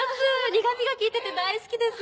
苦みが効いてて大好きです！